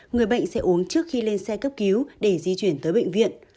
người bệnh sẽ uống trước khi lên xe cấp cứu để di chuyển tới bệnh viện